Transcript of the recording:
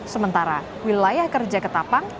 sementara wilayah kerja ketapang